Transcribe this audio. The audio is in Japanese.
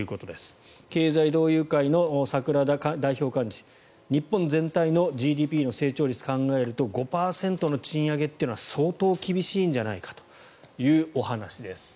経済同友会の櫻田代表幹事日本全体のＧＤＰの成長率を考えると５％の賃上げというのは相当厳しいんじゃないかというお話です。